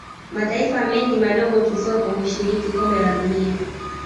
mataifa mengi madogo kisoka hushiriki kombe la dunia